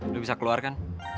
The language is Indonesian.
lo bisa keluar kan